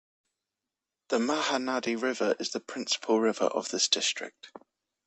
The Mahanadi River is the principal river of this district.